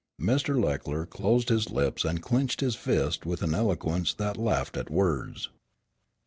Mr. Leckler closed his lips and clenched his fist with an eloquence that laughed at words.